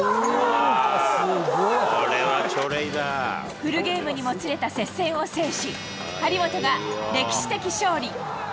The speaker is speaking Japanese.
フルゲームにもつれた接戦を制し、張本が歴史的勝利。